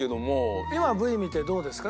今のＶ見てどうですか？